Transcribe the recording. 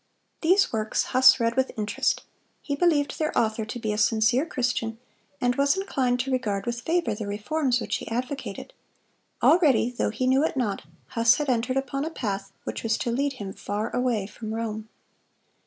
These works Huss read with interest; he believed their author to be a sincere Christian, and was inclined to regard with favor the reforms which he advocated. Already, though he knew it not, Huss had entered upon a path which was to lead him far away from Rome.